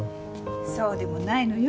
そうでもないのよ。